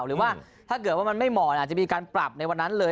หรือว่าถ้าเกิดว่ามันไม่เหมาะอาจจะมีการปรับในวันนั้นเลย